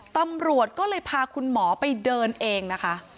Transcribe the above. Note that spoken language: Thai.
ตำรวจก็เลยพาคุณหมอไปเดินเองนะคะ